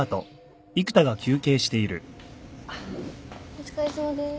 お疲れさまです。